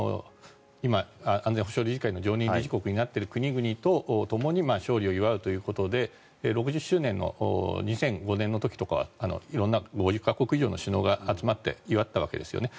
今、安全保障理事会の常任理事国になっている国々とともに勝利を祝うということで６０周年の２００５年の時とか５０か国以上の首脳が集まったわけですよね。